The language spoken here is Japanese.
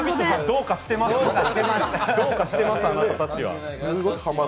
さん、どうかしてますよ。